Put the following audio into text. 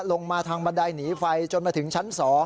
ลงมาทางบันไดหนีไฟจนมาถึงชั้น๒